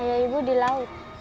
ayah ibu di laut